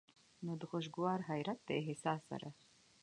نو د خوشګوار حېرت د احساس سره